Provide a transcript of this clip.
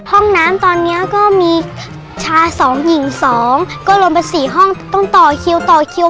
ห้องน้ำตอนนี้ก็มีชา๒หญิง๒ก็ลงไป๔ห้องต้องต่อคิวอหรือต่อคิว